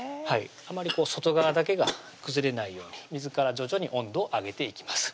あまり外側だけが崩れないように水から徐々に温度を上げていきます